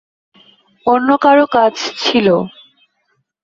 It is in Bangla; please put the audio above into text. অন্যকারো কাজ ছিল।